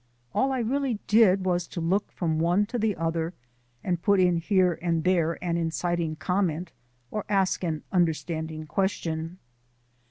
All I really did was to look from one to the other and put in here and there an inciting comment or ask an understanding question.